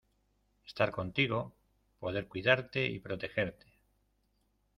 estar contigo, poder cuidarte y protegerte.